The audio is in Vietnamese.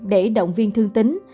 để động viên thương tính